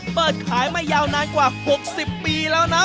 เปิดขายมายาวนานกว่า๖๐ปีแล้วนะ